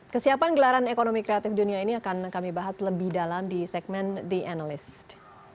kesiapan gelaran ekonomi kreatif dunia ini akan kami bahas lebih dalam di segmen the analyst